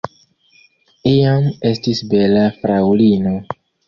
Iam estis bela fraŭlino.